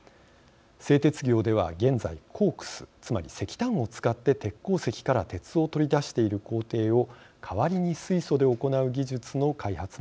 製鉄業では現在コークスつまり石炭を使って鉄鉱石から鉄を取り出している工程を代わりに水素で行う技術の開発も進んでいます。